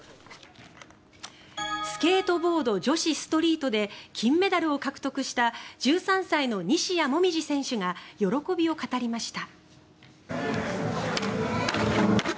スケートボード女子ストリートで金メダルを獲得した１３歳の西矢椛選手が喜びを語りました。